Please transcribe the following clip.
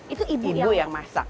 itu ibu yang masak